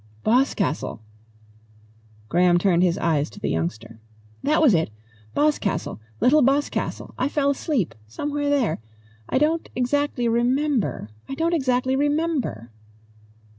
"Boscastle!" Graham turned his eyes to the youngster. "That was it Boscastle. Little Boscastle. I fell asleep somewhere there. I don't exactly remember. I don't exactly remember."